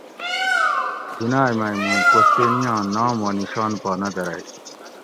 دنائے مئی موں کوستینیاں نام و نشان پا نہ دۤھرئی